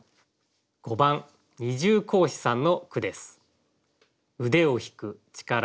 ５番二重格子さんの句です。